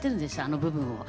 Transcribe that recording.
あの部分を。